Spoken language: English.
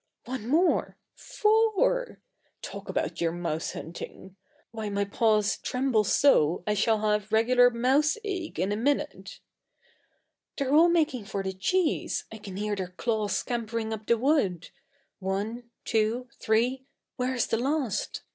One more four! Talk about your mouse hunting! Why my paws tremble so I shall have regular "mouse ague" in a minute. They're all making for the cheese; I can hear their claws scampering up the wood. One two three where's the last?